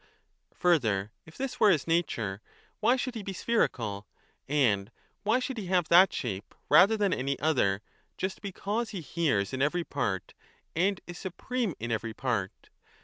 Further, if this were his nature, why should he be spherical, and why should he have that shape rather than any other, just because he hears in every part and is supreme in every part